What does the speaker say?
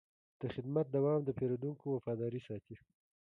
د خدمت دوام د پیرودونکو وفاداري ساتي.